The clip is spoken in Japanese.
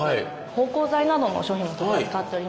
芳香剤などの商品も取り扱っておりまして。